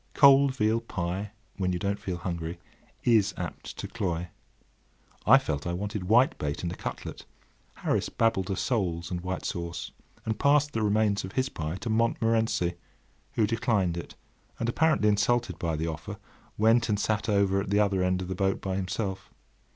Cold veal pie, when you don't feel hungry, is apt to cloy. I felt I wanted whitebait and a cutlet; Harris babbled of soles and white sauce, and passed the remains of his pie to Montmorency, who declined it, and, apparently insulted by the offer, went and sat over at the other end of the boat by himself.